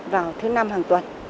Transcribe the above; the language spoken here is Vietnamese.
vào thứ năm hàng tuần